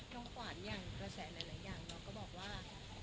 น้องขวัญอย่างกระแสหลายอย่างแล้วก็บอกว่าเราอาจจะเห็นแฟนดีกว่าคุณแม่